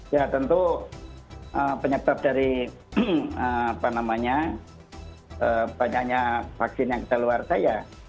ya tentu penyebab dari banyaknya vaksin yang kedaluarsa ya